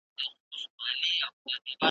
نه یې ږغ سو د چا غوږ ته رسېدلای .